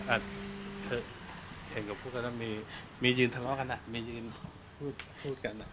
อ่ะเธอเห็นกับพวกนั้นมียืนทะเลาะกันอ่ะมียืนพูดกันอ่ะ